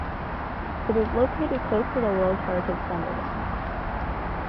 It is located close to the World Heritage Sunderbans.